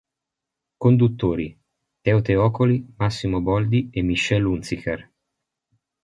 Conduttori: Teo Teocoli, Massimo Boldi e Michelle Hunziker.